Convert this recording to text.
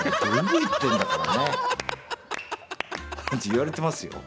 言われてますよ。